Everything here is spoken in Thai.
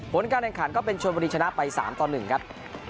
ผลการแข่งขันก็เป็นชวนบุรีชนะไป๓ต่อ๑ครับ